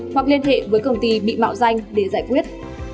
hoặc liên hệ với công ty bị mạo danh để giải quyết